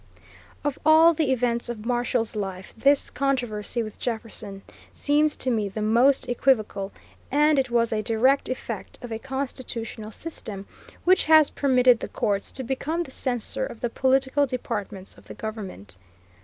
Of all the events of Marshall's life this controversy with Jefferson seems to me the most equivocal, and it was a direct effect of a constitutional system which has permitted the courts to become the censor of the political departments of the government.